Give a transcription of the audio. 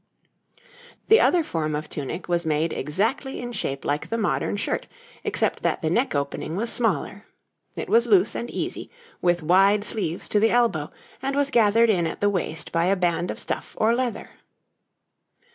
[Illustration: {A man of the time of William I.}] The other form of tunic was made exactly in shape like the modern shirt, except that the neck opening was smaller. It was loose and easy, with wide sleeves to the elbow, and was gathered in at the waist by a band of stuff or leather.